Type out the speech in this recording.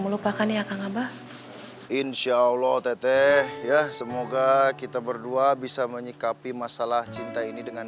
melupakan ya kang abah insya allah otete ya semoga kita berdua bisa menyikapi masalah cinta ini dengan